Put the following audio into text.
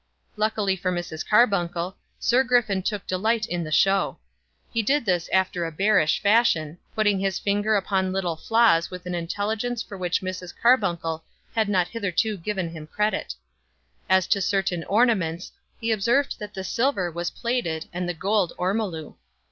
Luckily for Mrs. Carbuncle, Sir Griffin took delight in the show. He did this after a bearish fashion, putting his finger upon little flaws with an intelligence for which Mrs. Carbuncle had not hitherto given him credit. As to certain ornaments, he observed that the silver was plated and the gold ormolu.